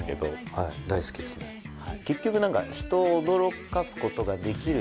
結局何か。